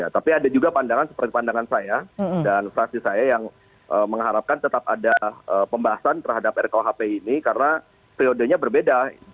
tapi ada juga pandangan seperti pandangan saya dan fraksi saya yang mengharapkan tetap ada pembahasan terhadap rkuhp ini karena periodenya berbeda